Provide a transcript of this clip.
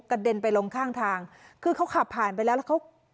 เด็นไปลงข้างทางคือเขาขับผ่านไปแล้วแล้วเขา